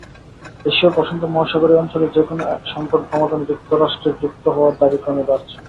এশীয়-প্রশান্ত মহাসাগরীয় অঞ্চলের যেকোনো সংকট সমাধানে যুক্তরাষ্ট্রের যুক্ত হওয়ার দাবি ক্রমে বাড়ছে।